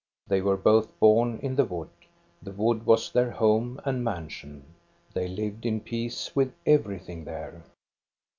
They were both born in the wood. The wood was their home and mansion. They lived in peace with everything there.